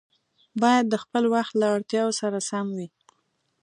باید د خپل وخت له اړتیاوو سره سم وي.